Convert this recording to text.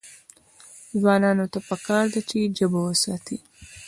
ځوانانو ته پکار ده چې، ژبه وساتي.